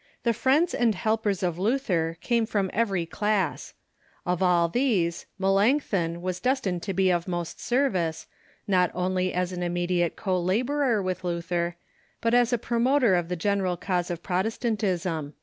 ] The friends and helpers of Luther came from every class. Of all these, Melanchthon was destined to be of most service, not onlv as an immediate co laborer with Lu Philip Melanchthon ,,,"^^ r .i i c ther, but as a promoter ot tlie general cause ot Protestantism.